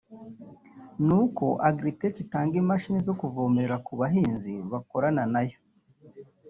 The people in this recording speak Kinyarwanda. ni uko Agritech itanga imashini zo kuvomerera ku bahinzi bakorana nayo